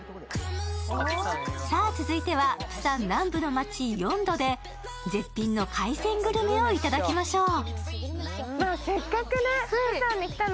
続いてはプサン南部の町ヨンドで絶品の海鮮グルメをいただきましょう。